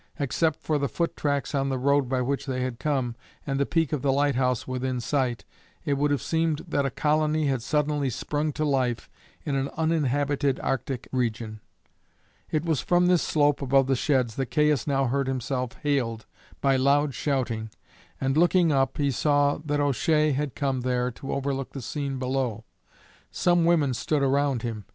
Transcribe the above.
Except for the foot tracks on the road by which they had come, and the peak of the lighthouse within sight, it would have seemed that a colony had suddenly sprung to life in an uninhabited Arctic region. It was from this slope above the sheds that Caius now heard himself hailed by loud shouting, and, looking up, he saw that O'Shea had come there to overlook the scene below. Some women stood around him.